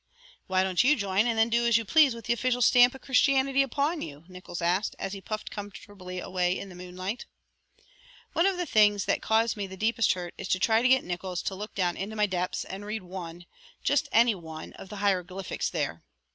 "Why don't you join and then do as you please with the official stamp of Christianity upon you?" Nickols asked, as he puffed comfortably away in the moonlight. One of the things that cause me the deepest hurt is to try to get Nickols to look down into my depths and read one, just any one, of the hieroglyphics there.